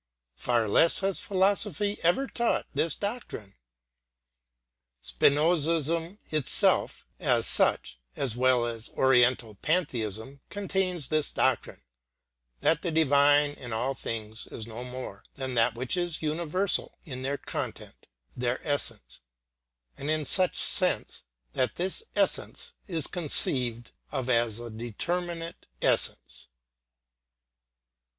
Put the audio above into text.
Far less has philosophy ever taught this doctrine. Spinozism itself, as such, as well as Oriental pantheism, contains this doctrine: that the divine in all things is no more than that which is universal in their content, their essence; and in such sense that this essence is conceived of as a determinate essence.